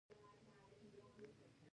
ښارونه د افغانستان د سیلګرۍ یوه برخه ده.